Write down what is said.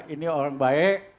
ini orang baik